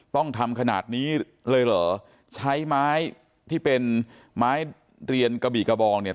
ต้องทำขนาดนี้เลยเหรอใช้ไม้ที่เป็นไม้เรียนกระบี่กระบองเนี่ย